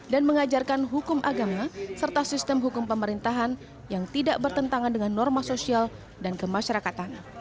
dan mengajarkan hukum agama serta sistem hukum pemerintahan yang tidak bertentangan dengan norma sosial dan kemasyarakatan